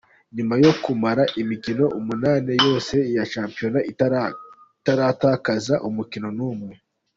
Nyuma yo kumara imikino umunani yose ya shampiyona itaratakaza umukino n'umwe,.